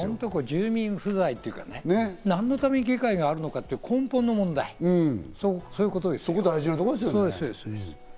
住民不在というか、何のために議会があるのかという根本の問題、そういうことですよ。